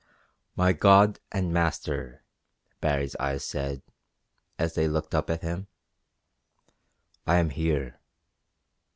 "My god and master," Baree's eyes said, as they looked up at him, "I am here."